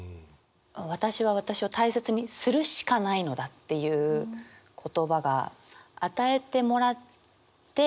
「私は私を大切にするしかないのだ」っていう言葉が与えてもらって